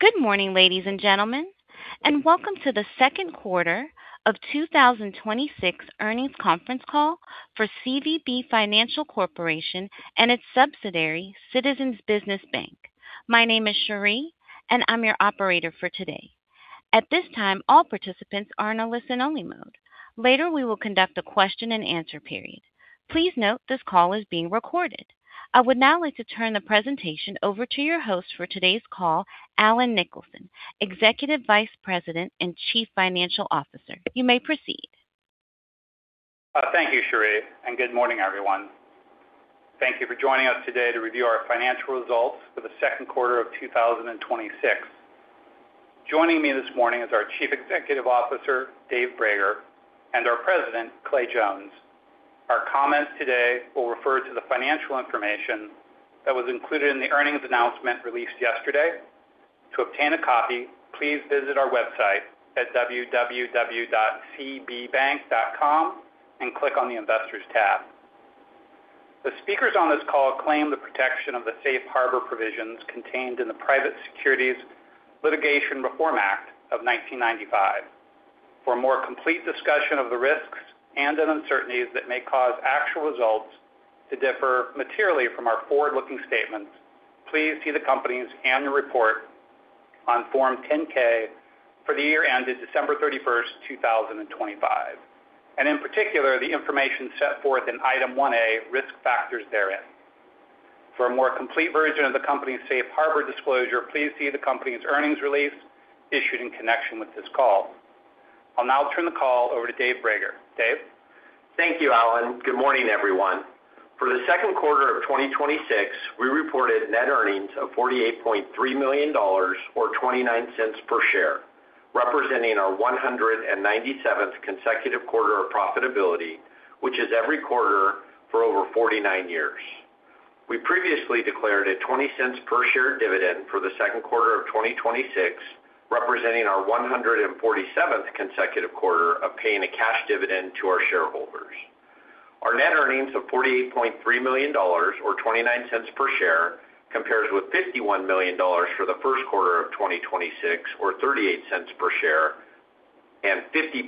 Good morning, ladies and gentlemen, welcome to the Second Quarter of 2026 Earnings Conference Call for CVB Financial Corp. and its subsidiary, Citizens Business Bank. My name is Cherie, and I'm your operator for today. At this time, all participants are in a listen-only mode. Later, we will conduct a question and answer period. Please note this call is being recorded. I would now like to turn the presentation over to your host for today's call, Allen Nicholson, Executive Vice President and Chief Financial Officer. You may proceed. Thank you, Cherie, good morning, everyone. Thank you for joining us today to review our financial results for the second quarter of 2026. Joining me this morning is our Chief Executive Officer, Dave Brager, and our President, Clay Jones. Our comments today will refer to the financial information that was included in the earnings announcement released yesterday. To obtain a copy, please visit our website at www.cbbank.com and click on the Investors tab. The speakers on this call claim the protection of the safe harbor provisions contained in the Private Securities Litigation Reform Act of 1995. For a more complete discussion of the risks and the uncertainties that may cause actual results to differ materially from our forward-looking statements, please see the company's annual report on Form 10-K for the year ended December 31, 2025, and in particular, the information set forth in Item 1A Risk Factors therein. For a more complete version of the company's safe harbor disclosure, please see the company's earnings release issued in connection with this call. I'll now turn the call over to Dave Brager. Dave? Thank you, Allen. Good morning, everyone. For the second quarter of 2026, we reported net earnings of $48.3 million or $0.29 per share, representing our 197th consecutive quarter of profitability, which is every quarter for over 49 years. We previously declared a $0.20 per share dividend for the second quarter of 2026, representing our 147th consecutive quarter of paying a cash dividend to our shareholders. Our net earnings of $48.3 million or $0.29 per share compares with $51 million for the first quarter of 2026 or $0.38 per share and $50.6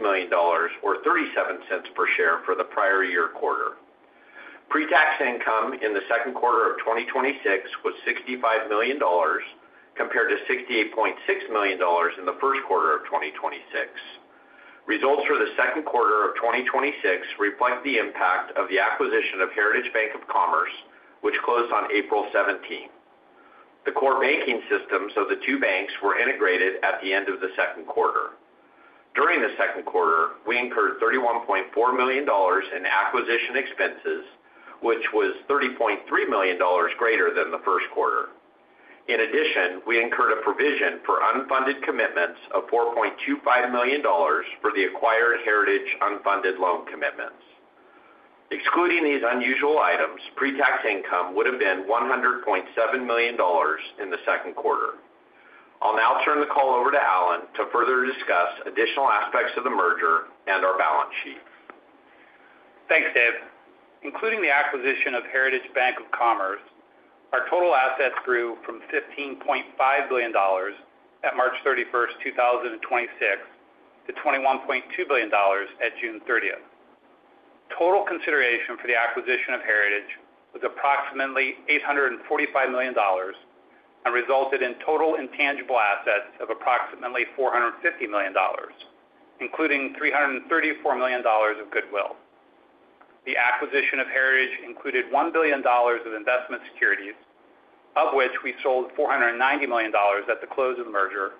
million or $0.37 per share for the prior year quarter. Pre-tax income in the second quarter of 2026 was $65 million compared to $68.6 million in the first quarter of 2026. Results for the second quarter of 2026 reflect the impact of the acquisition of Heritage Bank of Commerce, which closed on April 17. The core banking systems of the two banks were integrated at the end of the second quarter. During the second quarter, we incurred $31.4 million in acquisition expenses, which was $30.3 million greater than the first quarter. In addition, we incurred a provision for unfunded commitments of $4.25 million for the acquired Heritage unfunded loan commitments. Excluding these unusual items, pre-tax income would've been $100.7 million in the second quarter. I'll now turn the call over to Allen to further discuss additional aspects of the merger and our balance sheet. Thanks, Dave. Including the acquisition of Heritage Bank of Commerce, our total assets grew from $15.5 billion at March 31st, 2026 to $21.2 billion at June 30th. Total consideration for the acquisition of Heritage was approximately $845 million and resulted in total intangible assets of approximately $450 million, including $334 million of goodwill. The acquisition of Heritage included $1 billion of investment securities, of which we sold $490 million at the close of merger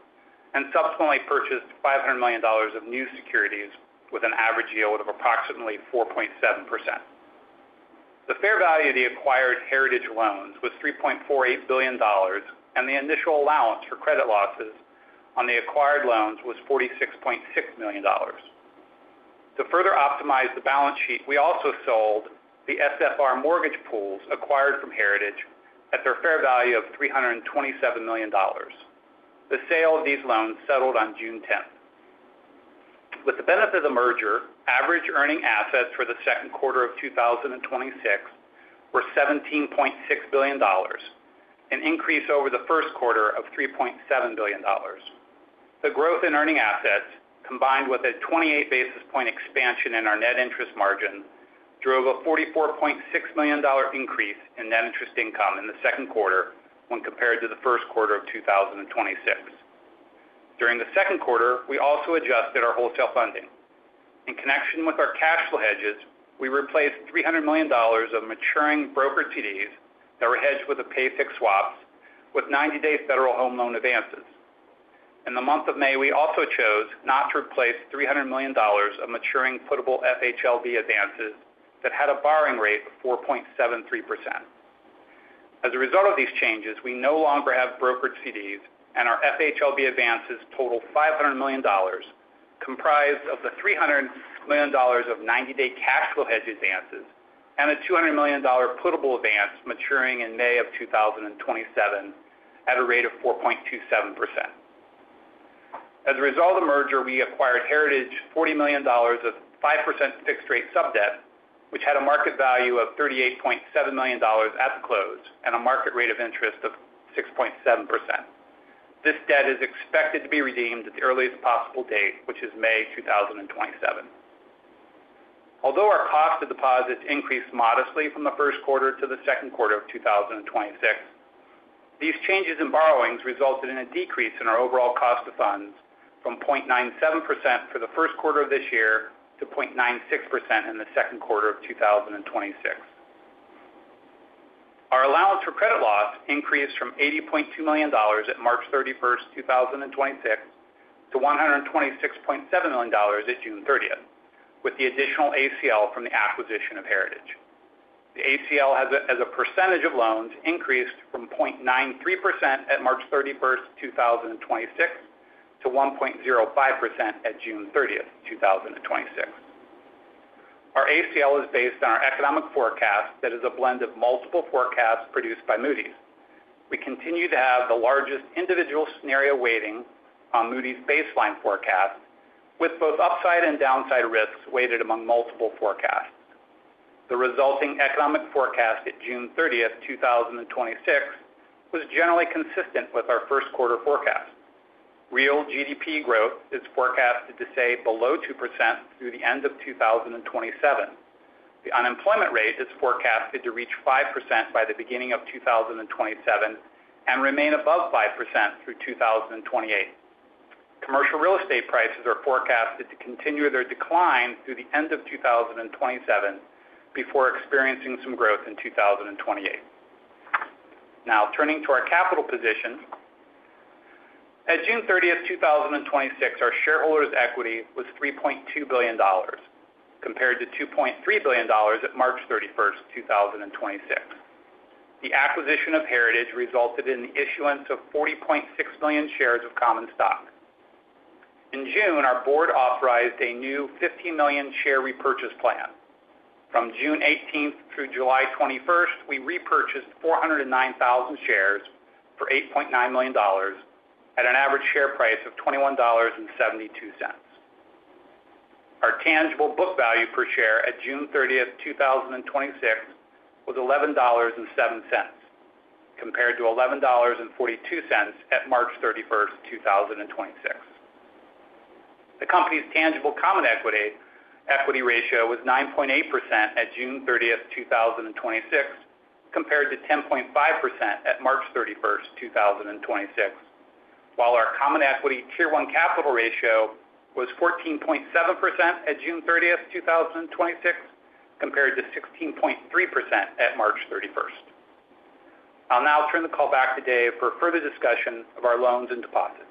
and subsequently purchased $500 million of new securities with an average yield of approximately 4.7%. The fair value of the acquired Heritage loans was $3.48 billion, and the initial allowance for credit losses on the acquired loans was $46.6 million. To further optimize the balance sheet, we also sold the SFR mortgage pools acquired from Heritage at their fair value of $327 million. The sale of these loans settled on June 10th. With the benefit of the merger, average earning assets for the second quarter of 2026 were $17.6 billion, an increase over the first quarter of $3.7 billion. The growth in earning assets, combined with a 28-basis point expansion in our net interest margin, drove a $44.6 million increase in net interest income in the second quarter when compared to the first quarter of 2026. During the second quarter, we also adjusted our wholesale funding. In connection with our cash flow hedges, we replaced $300 million of maturing brokered CDs that were hedged with a pay-fixed swaps with 90-day Federal Home Loan advances. In the month of May, we also chose not to replace $300 million of maturing putable FHLB advances that had a borrowing rate of 4.73%. As a result of these changes, we no longer have brokered CDs, and our FHLB advances total $500 million, comprised of the $300 million of 90-day cash flow hedge advances and a $200 million putable advance maturing in May of 2027 at a rate of 4.27%. As a result of the merger, we acquired Heritage's $40 million of 5% fixed-rate sub-debt, which had a market value of $38.7 million at the close and a market rate of interest of 6.7%. This debt is expected to be redeemed at the earliest possible date, which is May 2027. Although our cost of deposits increased modestly from the first quarter to the second quarter of 2026, these changes in borrowings resulted in a decrease in our overall cost of funds from 0.97% for the first quarter of this year to 0.96% in the second quarter of 2026. Our allowance for credit loss increased from $80.2 million at March 31st, 2026 to $126.7 million at June 30th, with the additional ACL from the acquisition of Heritage. The ACL as a percentage of loans increased from 0.93% at March 31st, 2026 to 1.05% at June 30th, 2026. Our ACL is based on our economic forecast that is a blend of multiple forecasts produced by Moody's. We continue to have the largest individual scenario weighting on Moody's baseline forecast, with both upside and downside risks weighted among multiple forecasts. The resulting economic forecast at June 30th, 2026 was generally consistent with our first quarter forecast. Real GDP growth is forecasted to stay below 2% through the end of 2027. The unemployment rate is forecasted to reach 5% by the beginning of 2027 and remain above 5% through 2028. Commercial real estate prices are forecasted to continue their decline through the end of 2027 before experiencing some growth in 2028. Now turning to our capital position. At June 30th, 2026, our shareholders' equity was $3.2 billion, compared to $2.3 billion at March 31st, 2026. The acquisition of Heritage resulted in the issuance of 40.6 million shares of common stock. In June, our board authorized a new 50 million share repurchase plan. From June 18th through July 21st, we repurchased 409,000 shares for $8.9 million at an average share price of $21.72. Our tangible book value per share at June 30th, 2026 was $11.07, compared to $11.42 at March 31st, 2026. The company's tangible common equity ratio was 9.8% at June 30th, 2026, compared to 10.5% at March 31st, 2026. While our common equity Tier 1 capital ratio was 14.7% at June 30th, 2026, compared to 16.3% at March 31st. I'll now turn the call back to Dave for further discussion of our loans and deposits.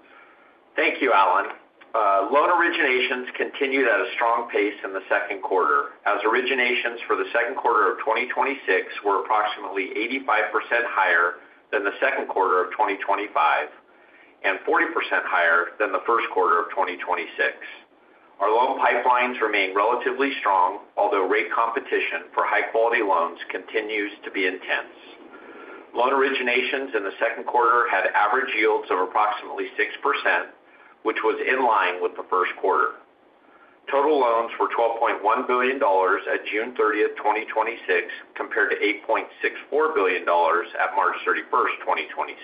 Thank you, Allen. Loan originations continued at a strong pace in the second quarter as originations for the second quarter of 2026 were approximately 85% higher than the second quarter of 2025 and 40% higher than the first quarter of 2026. Our loan pipelines remain relatively strong, although rate competition for high-quality loans continues to be intense. Loan originations in the second quarter had average yields of approximately 6%, which was in line with the first quarter. Total loans were $12.1 billion at June 30th, 2026, compared to $8.64 billion at March 31st, 2026.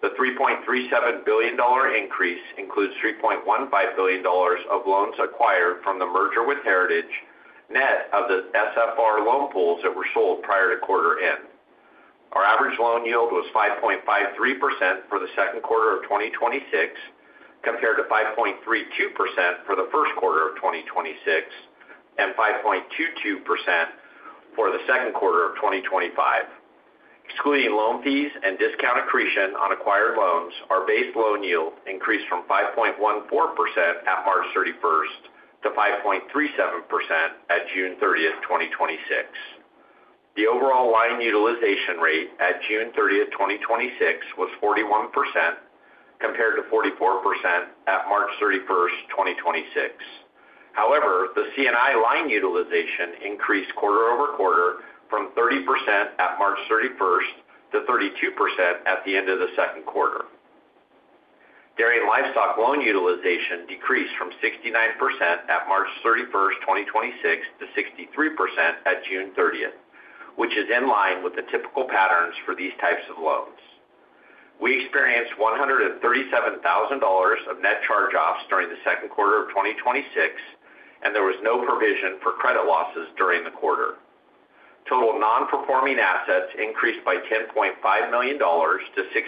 The $3.37 billion increase includes $3.15 billion of loans acquired from the merger with Heritage, net of the SFR loan pools that were sold prior to quarter end. Our average loan yield was 5.53% for the second quarter of 2026, compared to 5.32% for the first quarter of 2026 and 5.22% for the second quarter of 2025. Excluding loan fees and discount accretion on acquired loans, our base loan yield increased from 5.14% at March 31st to 5.37% at June 30th, 2026. The overall line utilization rate at June 30th, 2026, was 41%, compared to 44% at March 31st, 2026. However, the C&I line utilization increased quarter-over-quarter from 30% at March 31st to 32% at the end of the second quarter. Dairy and livestock loan utilization decreased from 69% at March 31st, 2026 to 63% at June 30th, which is in line with the typical patterns for these types of loans. We experienced $137,000 of net charge-offs during the second quarter of 2026, and there was no provision for credit losses during the quarter. Total non-performing assets increased by $10.5 million to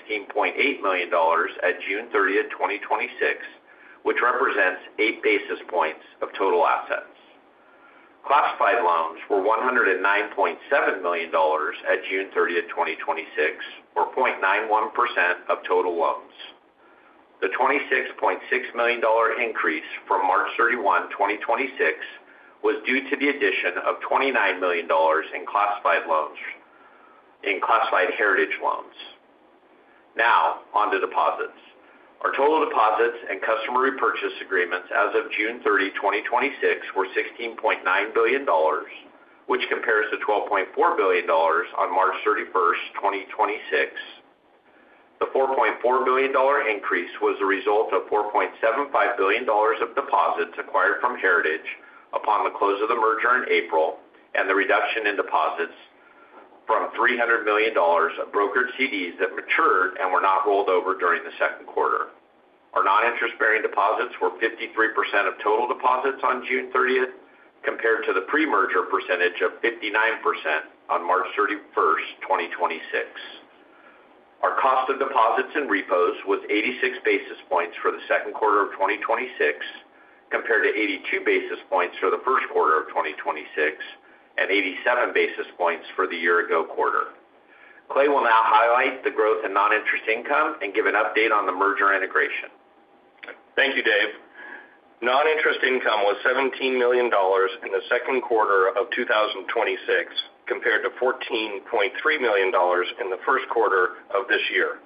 $16.8 million at June 30th, 2026, which represents eight basis points of total assets. Classified loans were $109.7 million at June 30th, 2026, or 0.91% of total loans. The $26.6 million increase from March 31st, 2026, was due to the addition of $29 million in classified Heritage loans. Now, onto deposits. Our total deposits and customer repurchase agreements as of June 30th, 2026, were $16.9 billion. Which compares to $12.4 billion on March 31st, 2026. The $4.4 billion increase was the result of $4.75 billion of deposits acquired from Heritage upon the close of the merger in April, and the reduction in deposits from $300 million of brokered CDs that matured and were not rolled over during the second quarter. Our non-interest-bearing deposits were 53% of total deposits on June 30th, compared to the pre-merger percentage of 59% on March 31st, 2026. Our cost of deposits and repos was 86 basis points for the second quarter of 2026, compared to 82 basis points for the first quarter of 2026 and 87 basis points for the year ago quarter. Clay will now highlight the growth in non-interest income and give an update on the merger integration. Thank you, Dave. Non-interest income was $17 million in the second quarter of 2026 compared to $14.3 million in the first quarter of this year.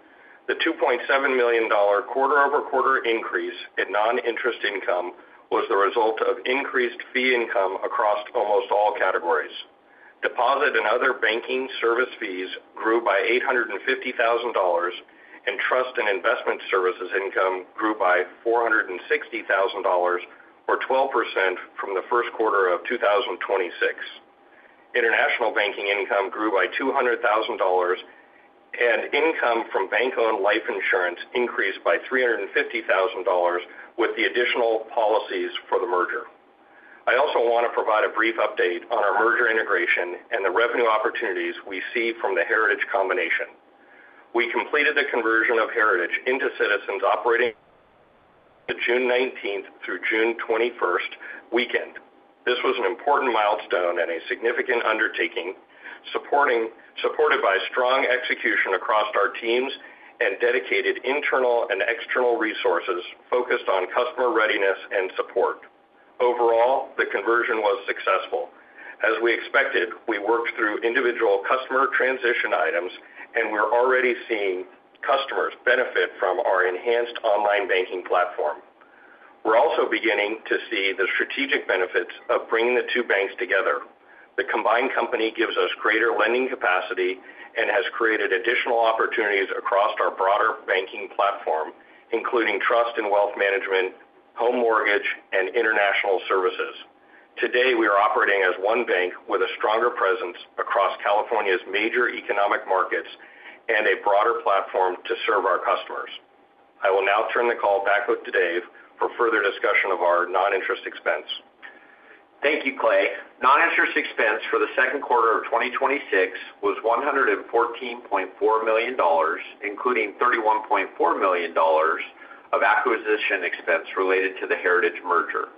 The $2.7 million quarter-over-quarter increase in non-interest income was the result of increased fee income across almost all categories. Deposit and other banking service fees grew by $850,000, and trust and investment services income grew by $460,000 or 12% from the first quarter of 2026. International banking income grew by $200,000, and income from bank-owned life insurance increased by $350,000 with the additional policies for the merger. I also want to provide a brief update on our merger integration and the revenue opportunities we see from the Heritage combination. We completed the conversion of Heritage into Citizens operating the June 19th through June 21st weekend. This was an important milestone and a significant undertaking, supported by strong execution across our teams and dedicated internal and external resources focused on customer readiness and support. Overall, the conversion was successful. As we expected, we worked through individual customer transition items, and we're already seeing customers benefit from our enhanced online banking platform. We're also beginning to see the strategic benefits of bringing the two banks together. The combined company gives us greater lending capacity and has created additional opportunities across our broader banking platform, including trust and wealth management, home mortgage, and international services. Today, we are operating as one bank with a stronger presence across California's major economic markets and a broader platform to serve our customers. I will now turn the call back over to Dave for further discussion of our non-interest expense. Thank you, Clay. Non-interest expense for the second quarter of 2026 was $114.4 million, including $31.4 million of acquisition expense related to the Heritage merger.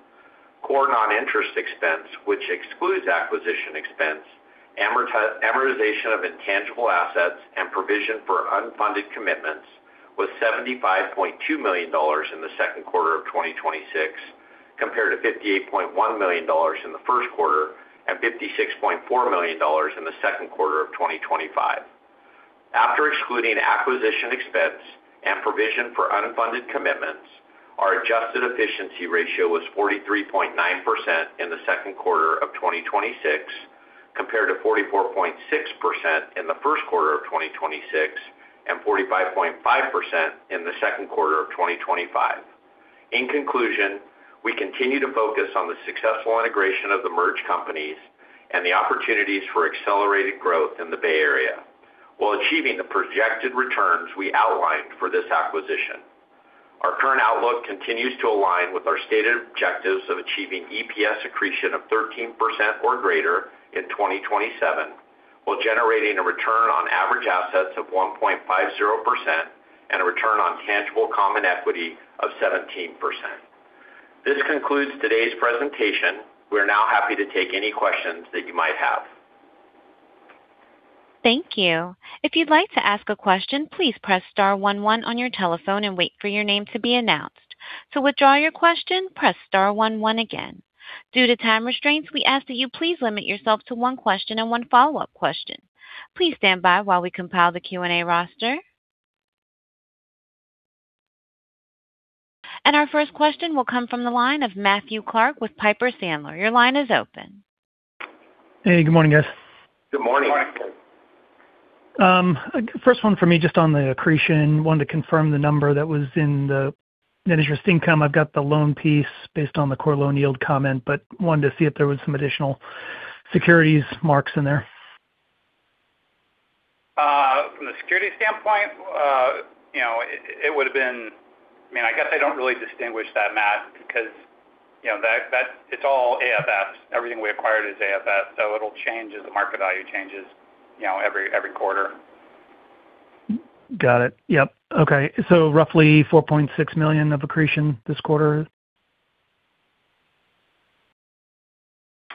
Core non-interest expense, which excludes acquisition expense, amortization of intangible assets, and provision for unfunded commitments, was $75.2 million in the second quarter of 2026 compared to $58.1 million in the first quarter and $56.4 million in the second quarter of 2025. After excluding acquisition expense and provision for unfunded commitments, our adjusted efficiency ratio was 43.9% in the second quarter of 2026 compared to 44.6% in the first quarter of 2026 and 45.5% in the second quarter of 2025. In conclusion, we continue to focus on the successful integration of the merged companies and the opportunities for accelerated growth in the Bay Area while achieving the projected returns we outlined for this acquisition. Our current outlook continues to align with our stated objectives of achieving EPS accretion of 13% or greater in 2027, while generating a return on average assets of 1.50% and a return on tangible common equity of 17%. This concludes today's presentation. We are now happy to take any questions that you might have. Thank you. If you'd like to ask a question, please press star one one on your telephone and wait for your name to be announced. To withdraw your question, press star one one again. Due to time restraints, we ask that you please limit yourself to one question and one follow-up question. Please stand by while we compile the Q&A roster. Our first question will come from the line of Matthew Clark with Piper Sandler. Your line is open. Hey, good morning, guys. Good morning. Morning. First one for me, just on the accretion. I wanted to confirm the number that was in the net interest income. I've got the loan piece based on the core loan yield comment, but wanted to see if there was some additional securities marks in there. From the security standpoint, I guess I don't really distinguish that, Matt, because it's all AFS. Everything we acquired is AFS, so it'll change as the market value changes every quarter. Got it. Yep. Okay. Roughly $4.6 million of accretion this quarter?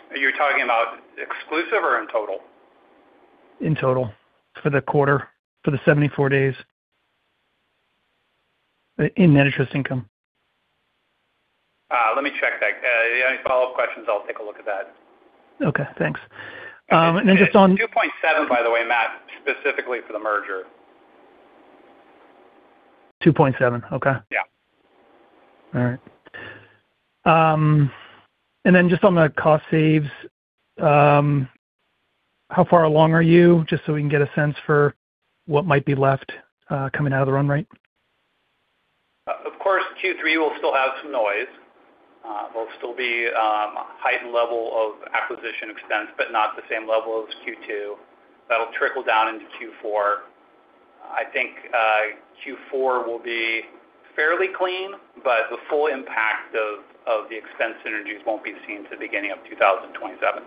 Are you talking about exclusive or in total? In total for the quarter, for the 74 days in net interest income. Let me check that. Any follow-up questions, I'll take a look at that. Okay, thanks. It's 2.7, by the way, Matt, specifically for the merger. 2.7, okay. Yeah. All right. Just on the cost saves, how far along are you? Just so we can get a sense for what might be left coming out of the run rate. Of course, Q3 will still have some noise. There'll still be a heightened level of acquisition expense, but not the same level as Q2. That'll trickle down into Q4. I think Q4 will be fairly clean, but the full impact of the expense synergies won't be seen till the beginning of 2027.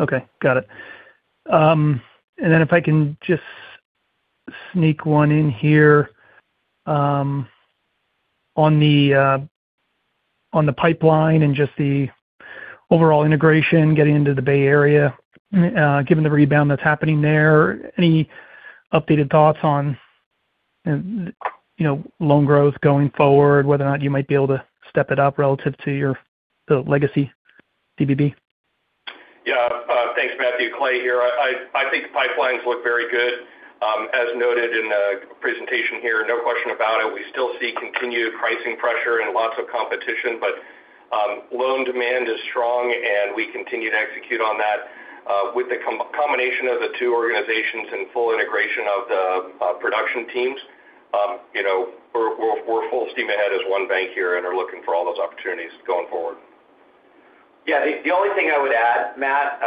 Okay. Got it. If I can just sneak one in here. On the pipeline and just the overall integration, getting into the Bay Area given the rebound that's happening there, any updated thoughts on loan growth going forward, whether or not you might be able to step it up relative to the legacy CVB? Yeah. Thanks, Matthew. Clay here. I think the pipelines look very good. As noted in the presentation here, no question about it, we still see continued pricing pressure and lots of competition. Loan demand is strong, and we continue to execute on that. With the combination of the two organizations and full integration of the production teams, we're full steam ahead as one bank here and are looking for all those opportunities going forward. Yeah. The only thing I would add, Matt,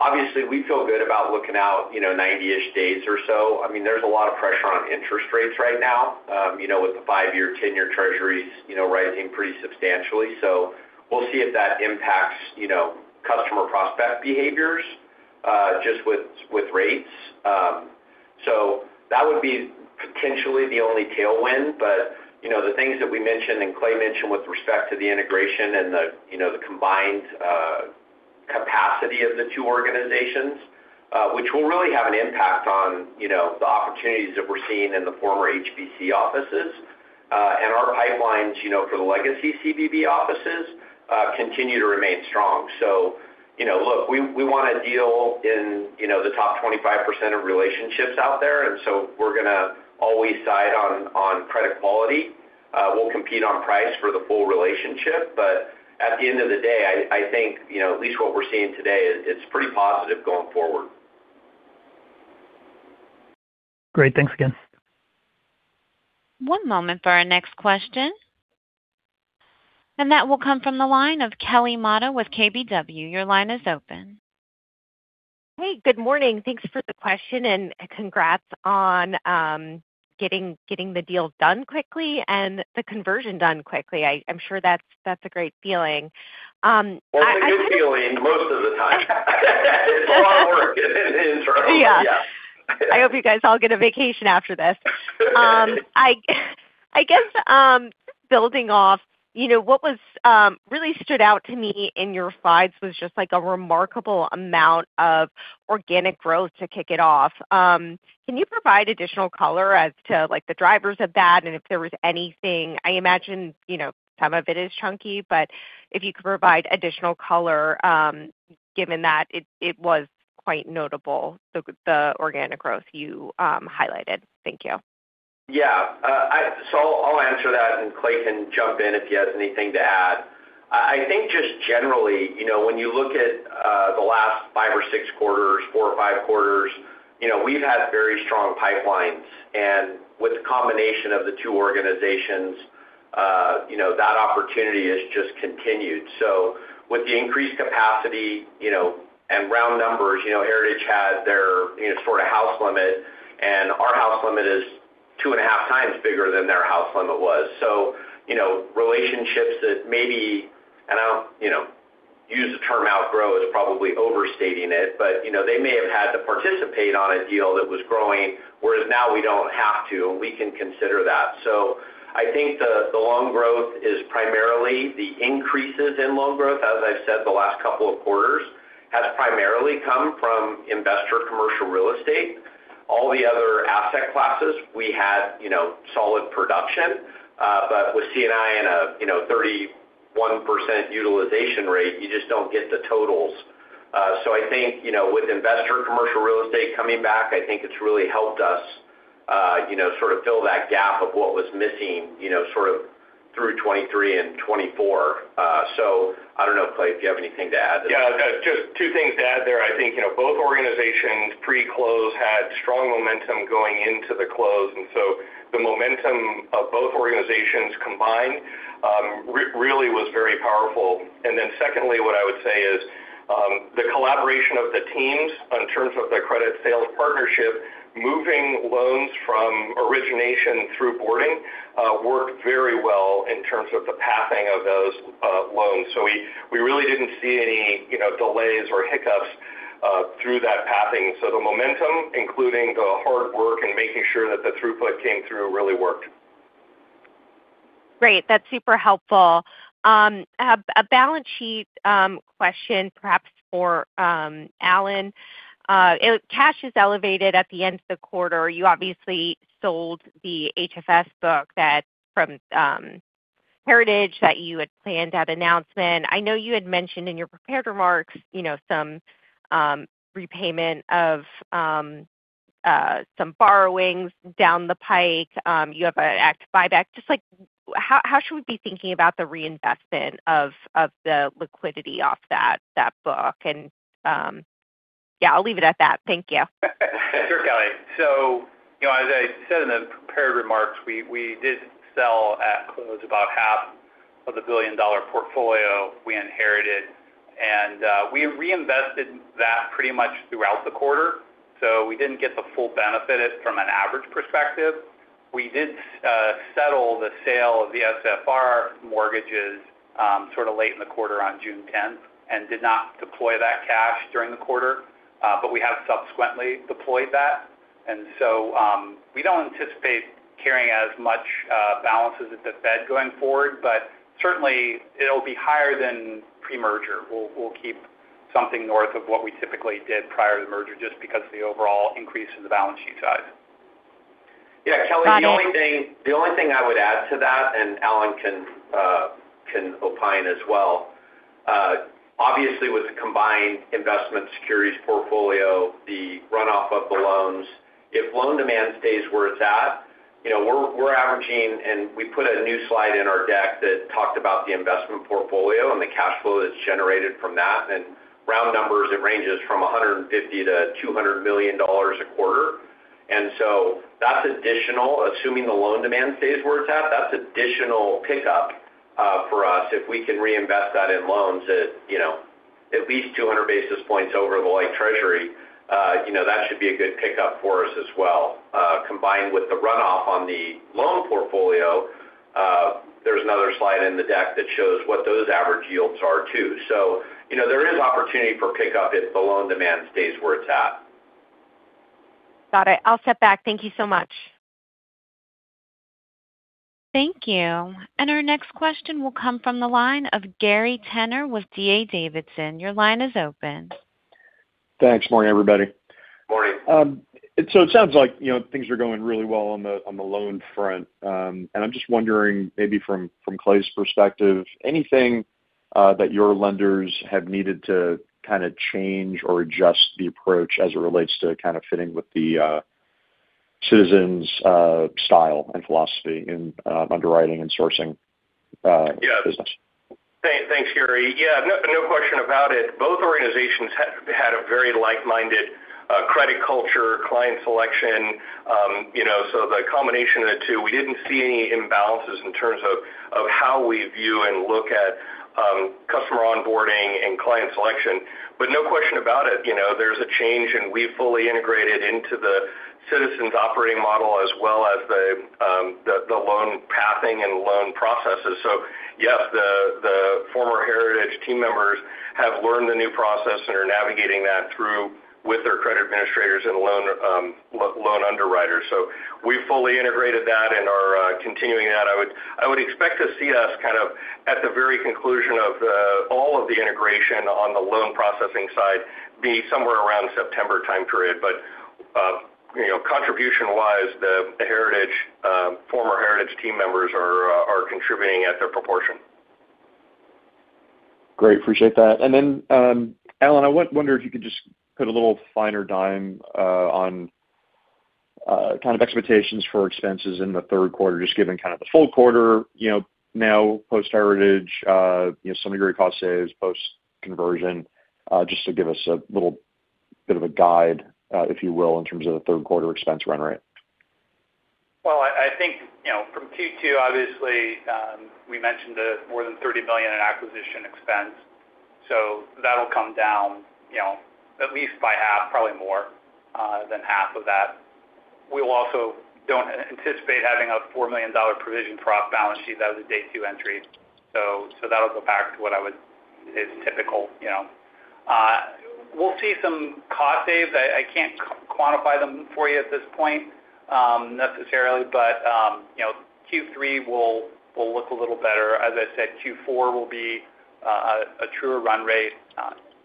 obviously we feel good about looking out 90-ish days or so. There's a lot of pressure on interest rates right now with the five-year, 10-year Treasuries rising pretty substantially. We'll see if that impacts customer prospect behaviors just with rates. That would be potentially the only tailwind. The things that we mentioned and Clay mentioned with respect to the integration and the combined capacity of the two organizations, which will really have an impact on the opportunities that we're seeing in the former HBC offices. Our pipelines for the legacy CBB offices continue to remain strong. Look, we want a deal in the top 25% of relationships out there, we're going to always side on credit quality. We'll compete on price for the full relationship. At the end of the day, I think at least what we're seeing today is it's pretty positive going forward. Great. Thanks again. One moment for our next question. That will come from the line of Kelly Motta with KBW. Your line is open. Hey, good morning. Thanks for the question, and congrats on getting the deal done quickly and the conversion done quickly. I'm sure that's a great feeling. Well, it's a good feeling most of the time. It's a lot of work internally. Yeah. Yeah. I hope you guys all get a vacation after this. I guess, building off, what really stood out to me in your slides was just a remarkable amount of organic growth to kick it off. Can you provide additional color as to the drivers of that and if there was anything. I imagine some of it is chunky, but if you could provide additional color given that it was quite notable, the organic growth you highlighted. Thank you. Yeah. I'll answer that and Clay can jump in if he has anything to add. I think just generally when you look at the last four or five quarters, we've had very strong pipelines. With the combination of the two organizations, that opportunity has just continued. With the increased capacity and round numbers, Heritage had their sort of house limit, and our house limit is two and a half times bigger than their house limit was. Relationships that maybe, and to use the term outgrow is probably overstating it, but they may have had to participate on a deal that was growing, whereas now we don't have to, and we can consider that. I think the loan growth is primarily the increases in loan growth, as I've said the last couple of quarters, has primarily come from investor commercial real estate. All the other asset classes we had solid production. With C&I and a 31% utilization rate, you just don't get the totals. I think with investor commercial real estate coming back, I think it's really helped us fill that gap of what was missing through 2023 and 2024. I don't know, Clay, if you have anything to add. Yeah. Just two things to add there. I think both organizations pre-close had strong momentum going into the close, so the momentum of both organizations combined really was very powerful. Then secondly, what I would say is the collaboration of the teams in terms of the credit sales partnership, moving loans from origination through boarding worked very well in terms of the passing of those loans. We really didn't see any delays or hiccups through that passing. The momentum, including the hard work and making sure that the throughput came through, really worked. Great. That's super helpful. A balance sheet question perhaps for Allen. Cash is elevated at the end of the quarter. You obviously sold the HFS book from Heritage that you had planned that announcement. I know you had mentioned in your prepared remarks some repayment of some borrowings down the pike. You have an active buyback. Just how should we be thinking about the reinvestment of the liquidity off that book? Yeah, I'll leave it at that. Thank you. Sure, Kelly. As I said in the prepared remarks, we did sell at close about half of the billion-dollar portfolio we inherited, and we reinvested that pretty much throughout the quarter. We didn't get the full benefit from an average perspective. We did settle the sale of the SFR mortgages sort of late in the quarter on June 10th, and did not deploy that cash during the quarter. We have subsequently deployed that. We don't anticipate carrying as much balances at the Fed going forward, but certainly it'll be higher than pre-merger. We'll keep something north of what we typically did prior to the merger, just because of the overall increase in the balance sheet size. Yeah, Kelly. The only thing I would add to that, and Allen can opine as well. Obviously, with the combined investment securities portfolio, the runoff of the loans, if loan demand stays where it's at, we're averaging, and we put a new slide in our deck that talked about the investment portfolio and the cash flow that's generated from that. Round numbers, it ranges from $150 million-$200 million a quarter. That's additional, assuming the loan demand stays where it's at, that's additional pickup for us if we can reinvest that in loans at least 200 basis points over the like treasury. That should be a good pickup for us as well. Combined with the runoff on the loan portfolio, there's another slide in the deck that shows what those average yields are too. There is opportunity for pickup if the loan demand stays where it's at. Got it. I'll step back. Thank you so much. Thank you. Our next question will come from the line of Gary Tenner with D.A. Davidson. Your line is open. Thanks. Morning, everybody. Morning. It sounds like things are going really well on the loan front. I'm just wondering maybe from Clay's perspective, anything that your lenders have needed to kind of change or adjust the approach as it relates to kind of fitting with the Citizens style and philosophy in underwriting and sourcing business? Thanks, Gary. Yeah, no question about it. Both organizations had a very like-minded credit culture, client selection. The combination of the two, we didn't see any imbalances in terms of how we view and look at customer onboarding and client selection. No question about it, there's a change, and we fully integrated into the Citizens operating model as well as the loan pathing and loan processes. Yes, the former Heritage team members have learned the new process and are navigating that through with their credit administrators and loan underwriters. We fully integrated that and are continuing that. I would expect to see us kind of at the very conclusion of all of the integration on the loan processing side be somewhere around the September time period. Contribution-wise, the former Heritage team members are contributing at their proportion. Great. Appreciate that. Then Allen, I wonder if you could just put a little finer dime on kind of expectations for expenses in the third quarter, just given kind of the full quarter now post-Heritage, some degree of cost saves, post-conversion, just to give us a little bit of a guide if you will, in terms of the third quarter expense run rate. Well, I think from Q2, obviously, we mentioned more than $30 million in acquisition expense. That'll come down at least by half, probably more than half of that. We also don't anticipate having a $4 million provision for off-balance sheet. That was a day two entry. That'll go back to what is typical. We'll see some cost saves. I can't quantify them for you at this point necessarily, Q3 will look a little better. As I said, Q4 will be a truer run rate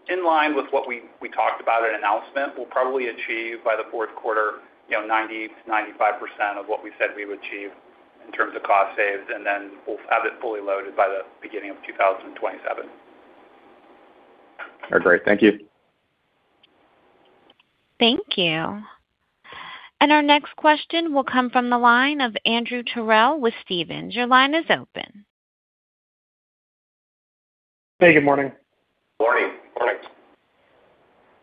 in line with what we talked about in announcement. We'll probably achieve by the fourth quarter 90%-95% of what we said we would achieve in terms of cost saves, and then we'll have it fully loaded by the beginning of 2027. All right, great. Thank you. Thank you. Our next question will come from the line of Andrew Terrell with Stephens. Your line is open. Hey, good morning. Morning.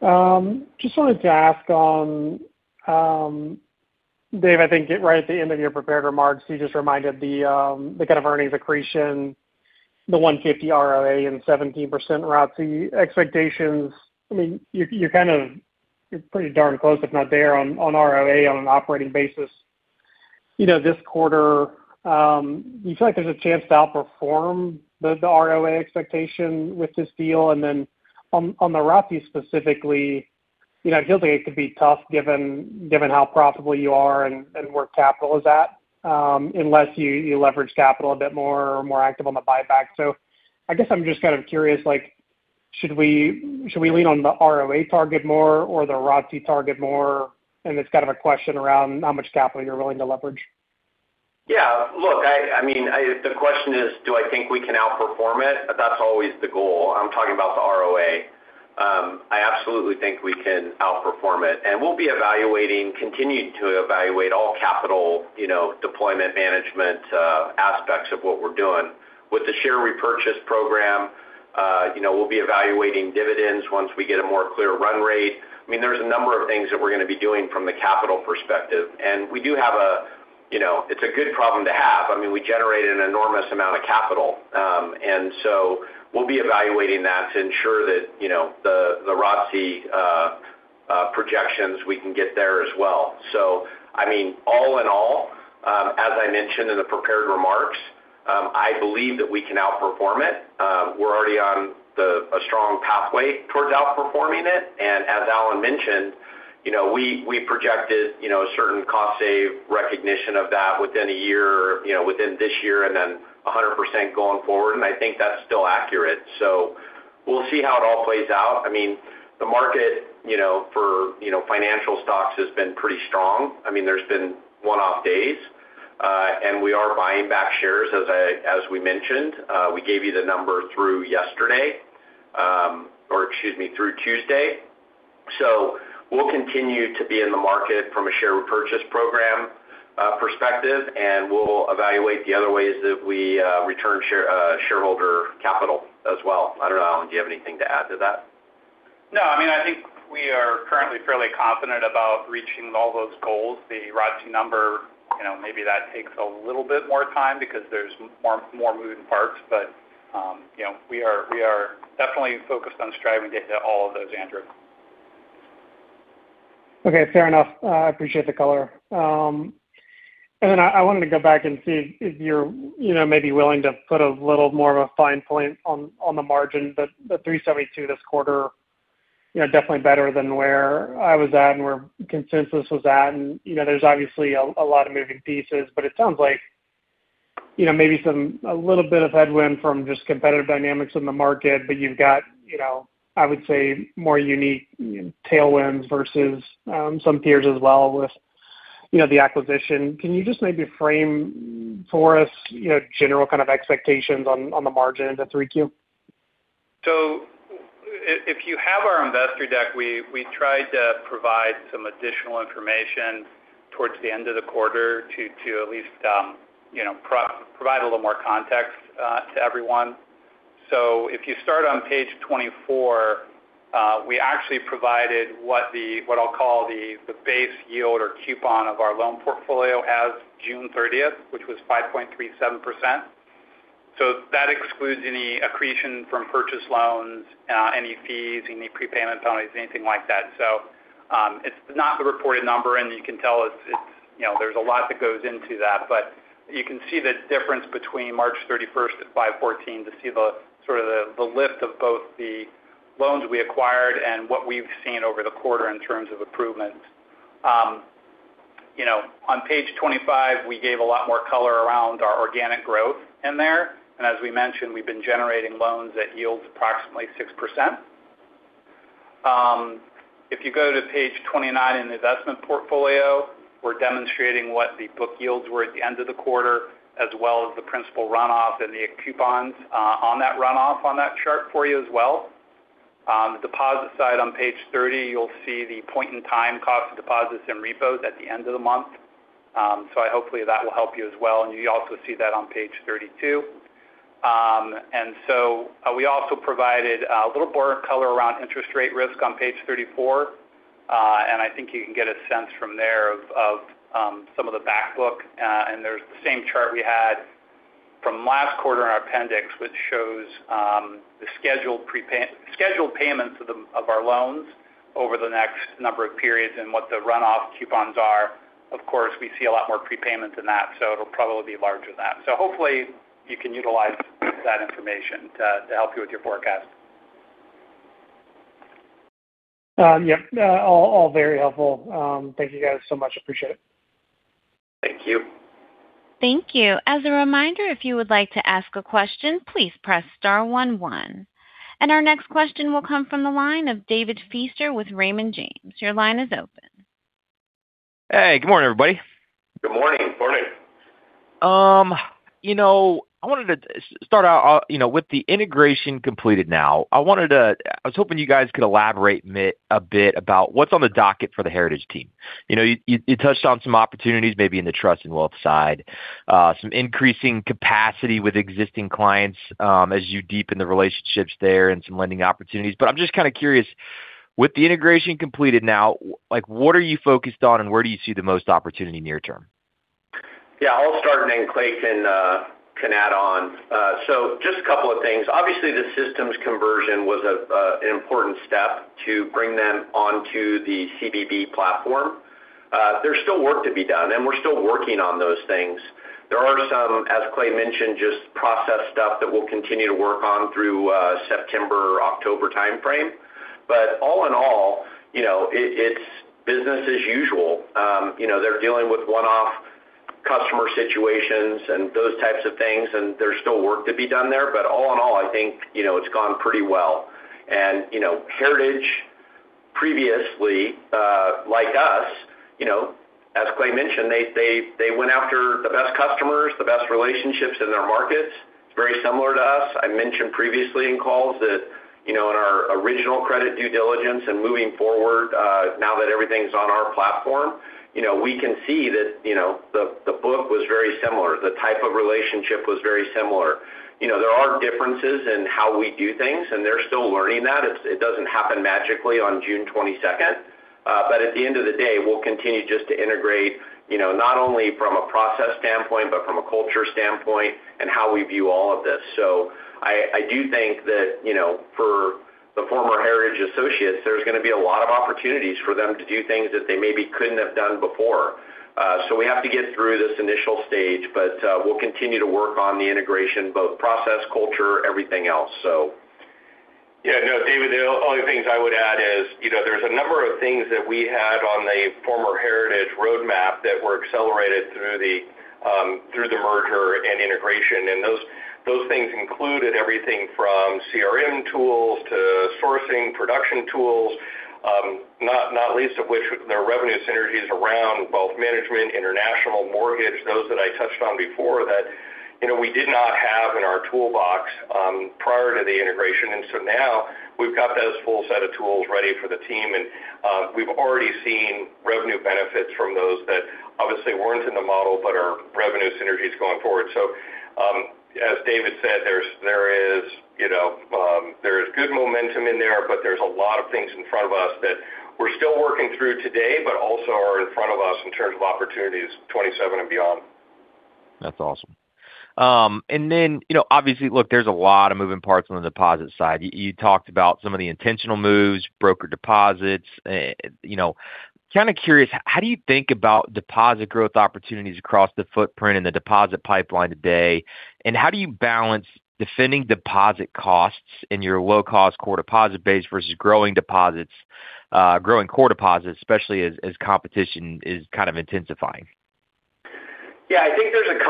Morning. Just wanted to ask on, Dave, I think right at the end of your prepared remarks, you just reminded the kind of earnings accretion, the 150 ROA and 17% ROTCE expectations. You're pretty darn close, if not there, on ROA on an operating basis. This quarter, do you feel like there's a chance to outperform the ROA expectation with this deal? Then on the ROTCE specifically, it feels like it could be tough given how profitable you are and where capital is at, unless you leverage capital a bit more or are more active on the buyback. I guess I'm just kind of curious Should we lean on the ROA target more or the ROTCE target more? It's kind of a question around how much capital you're willing to leverage. Look, the question is, do I think we can outperform it? That's always the goal. I'm talking about the ROA. I absolutely think we can outperform it. We'll be continuing to evaluate all capital deployment management aspects of what we're doing. With the share repurchase program, we'll be evaluating dividends once we get a more clear run rate. There's a number of things that we're going to be doing from the capital perspective. It's a good problem to have. We generated an enormous amount of capital. We'll be evaluating that to ensure that the ROTCE projections we can get there as well. All in all, as I mentioned in the prepared remarks, I believe that we can outperform it. We're already on a strong pathway towards outperforming it. As Alan mentioned, we projected a certain cost save recognition of that within this year and then 100% going forward. I think that's still accurate. We'll see how it all plays out. The market for financial stocks has been pretty strong. There's been one-off days. We are buying back shares as we mentioned. We gave you the number through yesterday, or excuse me, through Tuesday. We'll continue to be in the market from a share repurchase program perspective, and we'll evaluate the other ways that we return shareholder capital as well. I don't know, Allen, do you have anything to add to that? No, I think we are currently fairly confident about reaching all those goals. The ROTCE number, maybe that takes a little bit more time because there's more moving parts. We are definitely focused on striving to get to all of those, Andrew. Okay. Fair enough. I appreciate the color. Then I wanted to go back and see if you're maybe willing to put a little more of a fine point on the margin. The 372 this quarter, definitely better than where I was at and where consensus was at, and there's obviously a lot of moving pieces. It sounds like maybe a little bit of headwind from just competitive dynamics in the market, but you've got I would say more unique tailwinds versus some peers as well with the acquisition. Can you just maybe frame for us general kind of expectations on the margin into 3Q? If you have our investor deck, we tried to provide some additional information towards the end of the quarter to at least provide a little more context to everyone. If you start on page 24, we actually provided what I'll call the base yield or coupon of our loan portfolio as June 30th, which was 5.37%. That excludes any accretion from purchase loans, any fees, any prepayment penalties, anything like that. It's not the reported number, and you can tell there's a lot that goes into that. But you can see the difference between March 31st at 514 to see the sort of the lift of both the loans we acquired and what we've seen over the quarter in terms of improvements. On page 25, we gave a lot more color around our organic growth in there. As we mentioned, we've been generating loans at yields approximately 6%. If you go to page 29 in the investment portfolio, we're demonstrating what the book yields were at the end of the quarter, as well as the principal runoff and the coupons on that runoff on that chart for you as well. The deposit side on page 30, you'll see the point-in-time cost of deposits and repos at the end of the month. Hopefully that will help you as well, and you also see that on page 32. We also provided a little more color around interest rate risk on page 34. I think you can get a sense from there of some of the back book. There's the same chart we had from last quarter in our appendix, which shows the scheduled payments of our loans over the next number of periods and what the runoff coupons are. Of course, we see a lot more prepayment than that, so it'll probably be larger than that. Hopefully you can utilize that information to help you with your forecast. Yep. All very helpful. Thank you guys so much. Appreciate it. Thank you. Thank you. As a reminder, if you would like to ask a question, please press star one one. Our next question will come from the line of David Feaster with Raymond James. Your line is open. Hey, good morning, everybody. Good morning. Morning. I wanted to start out with the integration completed now. I was hoping you guys could elaborate a bit about what's on the docket for the Heritage team. You touched on some opportunities maybe in the Trust and wealth side. Some increasing capacity with existing clients as you deepen the relationships there and some lending opportunities. I'm just kind of curious, with the integration completed now, what are you focused on, and where do you see the most opportunity near term? Yeah, I'll start, and then Clay can add on. Just a couple of things. Obviously, the systems conversion was an important step to bring them onto the CVB platform. There's still work to be done, and we're still working on those things. There are some, as Clay mentioned, just process stuff that we'll continue to work on through September or October timeframe. All in all, it's business as usual. They're dealing with one-off customer situations and those types of things, and there's still work to be done there. All in all, I think, it's gone pretty well. Heritage previously, like us, as Clay mentioned, they went after the best customers, the best relationships in their markets. It's very similar to us. I mentioned previously in calls that in our original credit due diligence and moving forward, now that everything's on our platform, we can see that the book was very similar. The type of relationship was very similar. There are differences in how we do things, and they're still learning that. It doesn't happen magically on June 22nd. At the end of the day, we'll continue just to integrate, not only from a process standpoint, but from a culture standpoint and how we view all of this. I do think that for the former Heritage associates, there's going to be a lot of opportunities for them to do things that they maybe couldn't have done before. We have to get through this initial stage, but we'll continue to work on the integration, both process, culture, everything else. Yeah. No, David, the only things I would add is, there's a number of things that we had on the former Heritage roadmap that were accelerated through the merger and integration. Those things included everything from CRM tools to sourcing production tools, not least of which their revenue synergies around wealth management, international mortgage, those that I touched on before that we did not have in our toolbox prior to the integration. Now we've got this full set of tools ready for the team, and we've already seen revenue benefits from those that obviously weren't in the model, but are revenue synergies going forward. As David said, there is good momentum in there, but there's a lot of things in front of us that we're still working through today, but also are in front of us in terms of opportunities 2027 and beyond. That's awesome. Obviously, look, there's a lot of moving parts on the deposit side. You talked about some of the intentional moves, broker deposits. Kind of curious, how do you think about deposit growth opportunities across the footprint and the deposit pipeline today, and how do you balance defending deposit costs in your low-cost core deposit base versus growing core deposits, especially as competition is kind of intensifying? Yeah, I think there's a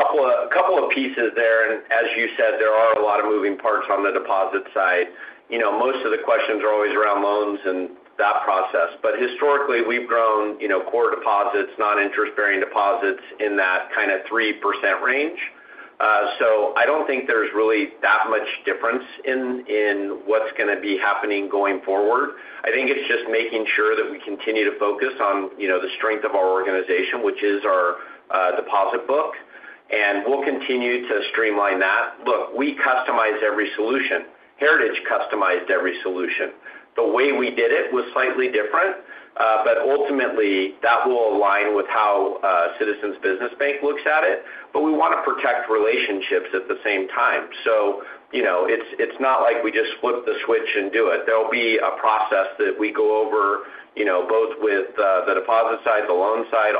couple of pieces there, as you said, there are a lot of moving parts on the deposit side. Most of the questions are always around loans and that process. Historically, we've grown core deposits, non-interest-bearing deposits in that kind of 3% range. I don't think there's really that much difference in what's going to be happening going forward. I think it's just making sure that we continue to focus on the strength of our organization, which is our deposit book, and we'll continue to streamline that. Look, we customize every solution. Heritage customized every solution. The way we did it was slightly different. Ultimately, that will align with how Citizens Business Bank looks at it. We want to protect relationships at the same time. It's not like we just flip the switch and do it. There'll be a process that we go over both with the deposit side, the loan side,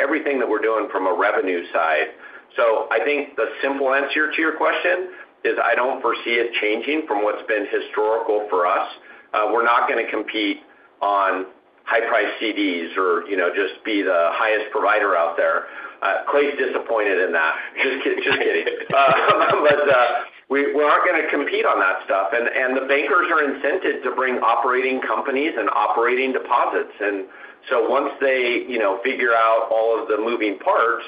everything that we're doing from a revenue side. I think the simple answer to your question is I don't foresee it changing from what's been historical for us. We're not going to compete on high-priced CDs or just be the highest provider out there. Clay's disappointed in that. Just kidding. We aren't going to compete on that stuff. The bankers are incented to bring operating companies and operating deposits. Once they figure out all of the moving parts,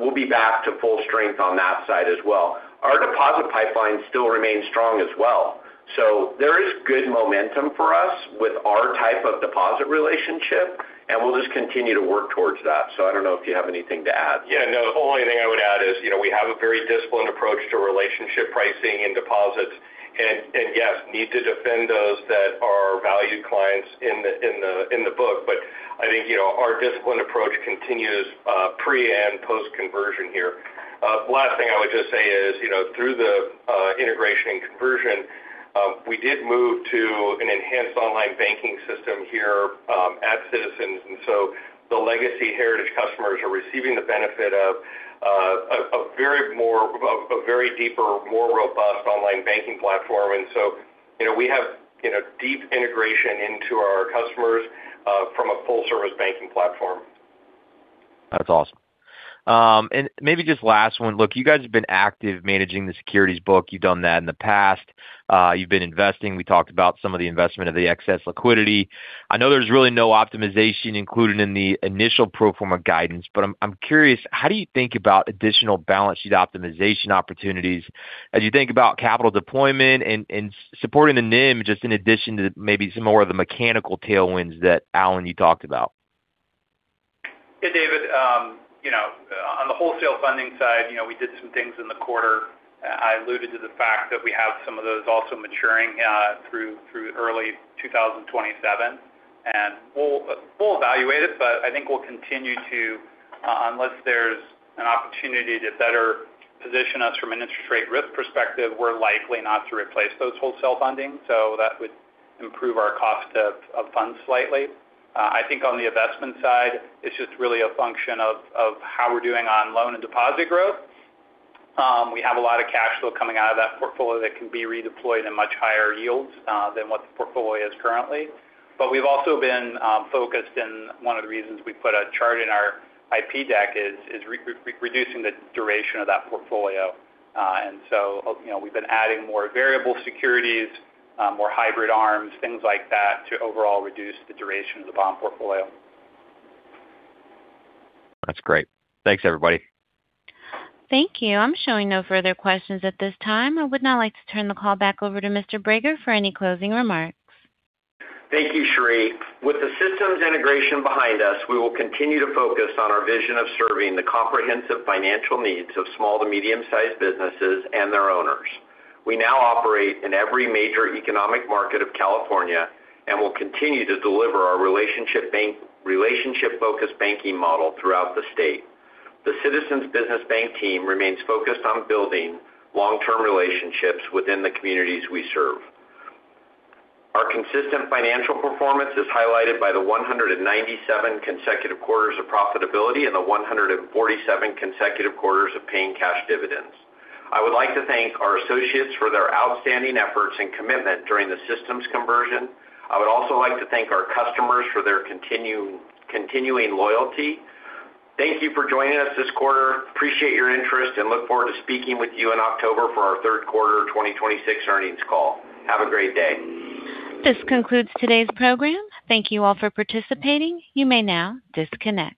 we'll be back to full strength on that side as well. Our deposit pipeline still remains strong as well. There is good momentum for us with our type of deposit relationship, and we'll just continue to work towards that. I don't know if you have anything to add. Yeah, no. The only thing I would add is, we have a very disciplined approach to relationship pricing and deposits. Yes, need to defend those that are valued clients in the book. I think our disciplined approach continues pre- and post-conversion here. Last thing I would just say is, through the integration and conversion, we did move to an enhanced online banking system here at Citizens, so the legacy Heritage customers are receiving the benefit of a very deeper, more robust online banking platform. We have deep integration into our customers from a full-service banking platform. That's awesome. Maybe just last one. Look, you guys have been active managing the securities book. You've done that in the past. You've been investing. We talked about some of the investment of the excess liquidity. I know there's really no optimization included in the initial pro forma guidance, I'm curious, how do you think about additional balance sheet optimization opportunities as you think about capital deployment and supporting the NIM, just in addition to maybe some more of the mechanical tailwinds that, Allen, you talked about? Yeah, David. On the wholesale funding side, we did some things in the quarter. I alluded to the fact that we have some of those also maturing through early 2027, We'll evaluate it, I think we'll continue to, unless there's an opportunity to better position us from an interest rate risk perspective, we're likely not to replace those wholesale funding. That would improve our cost of funds slightly. I think on the investment side, it's just really a function of how we're doing on loan and deposit growth. We have a lot of cash flow coming out of that portfolio that can be redeployed in much higher yields than what the portfolio is currently. We've also been focused, and one of the reasons we put a chart in our IR deck is reducing the duration of that portfolio. We've been adding more variable securities, more hybrid arms, things like that to overall reduce the duration of the bond portfolio. That's great. Thanks, everybody. Thank you. I'm showing no further questions at this time. I would now like to turn the call back over to Mr. Brager for any closing remarks. Thank you, Cherie. With the systems integration behind us, we will continue to focus on our vision of serving the comprehensive financial needs of small to medium-sized businesses and their owners. We now operate in every major economic market of California and will continue to deliver our relationship-focused banking model throughout the state. The Citizens Business Bank team remains focused on building long-term relationships within the communities we serve. Our consistent financial performance is highlighted by the 197 consecutive quarters of profitability and the 147 consecutive quarters of paying cash dividends. I would like to thank our associates for their outstanding efforts and commitment during the systems conversion. I would also like to thank our customers for their continuing loyalty. Thank you for joining us this quarter. Appreciate your interest and look forward to speaking with you in October for our third quarter 2026 earnings call. Have a great day. This concludes today's program. Thank you all for participating. You may now disconnect.